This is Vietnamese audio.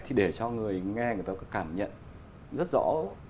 thì để cho người nghe người ta có cảm nhận rất rõ